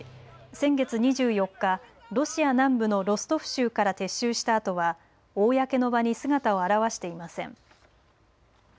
先月２４日ロシア南部のロストフ州から撤収したあとは公の場に姿を現していません。